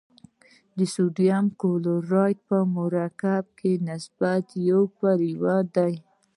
د سوډیم کلورایډ په مرکب کې نسبت یو پر یو دی.